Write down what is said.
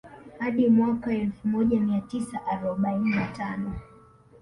Hadi mwaka Elfu moja mia tisa arobaini na tano